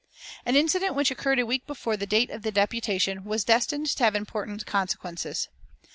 An incident which occurred a week before the date of the deputation was destined to have important consequences.